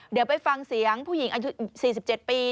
เดี๋ยวไปฟังเสียงผู้หญิงอายุ๔๗ปี